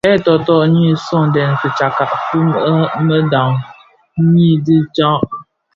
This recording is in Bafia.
Kè toto nyi sõňdèn fitsakka fi mëdhad ňyi bi tsag.